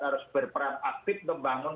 harus berperan aktif membangun